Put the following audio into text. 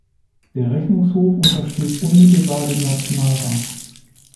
Der Rechnungshof untersteht unmittelbar dem Nationalrat.